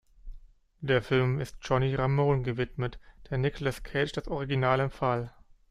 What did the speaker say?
Der Film ist Johnny Ramone gewidmet, der Nicolas Cage das Original empfahl.